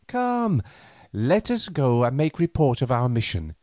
Come, let us go and make report of our mission.